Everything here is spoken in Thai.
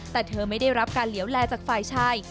แต่เธอไม่ได้รับการเหลวแลจากฝ่ายชาย